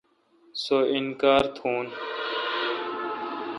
سو انکار تھون۔